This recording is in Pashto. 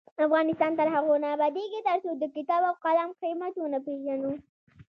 افغانستان تر هغو نه ابادیږي، ترڅو د کتاب او قلم قیمت ونه پیژنو.